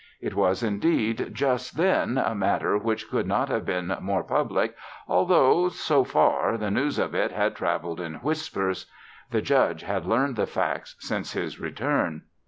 It was, indeed, just then, a matter which could not have been more public although, so far, the news of it had traveled in whispers. The Judge had learned the facts since his return.